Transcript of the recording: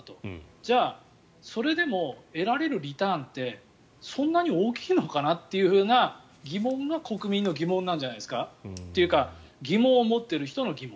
じゃあ、それでも得られるリターンってそんなに大きいのかなという疑問が国民の疑問なんじゃないですか？というか疑問を持っている人の疑問。